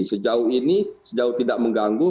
sejauh ini sejauh tidak mengganggu